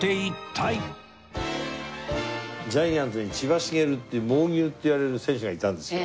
ジャイアンツに千葉茂っていう「猛牛」っていわれる選手がいたんですよ。